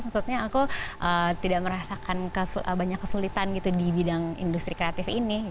maksudnya aku tidak merasakan banyak kesulitan gitu di bidang industri kreatif ini